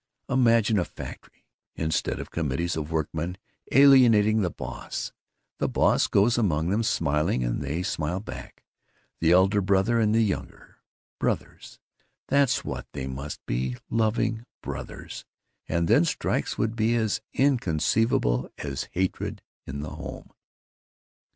Imagine a factory instead of committees of workmen alienating the boss, the boss goes among them smiling, and they smile back, the elder brother and the younger. Brothers, that's what they must be, loving brothers, and then strikes would be as inconceivable as hatred in the home!"